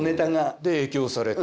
で影響されて？